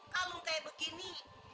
kalung kayak begini